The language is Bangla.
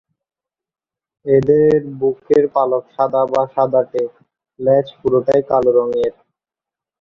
এদের বুকের পালক সাদা বা সাদাটে, লেজ পুরোটাই কালো রঙের।